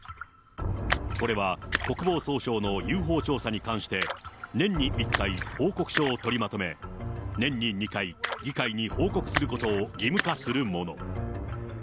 これは国防総省のＵＦＯ調査に関して、年に１回、報告書を取りまとめ、年に２回、議会に報告することを義務化するもの。